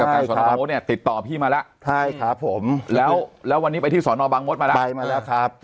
ไปมาแล้วครับ